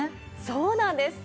そうなんです。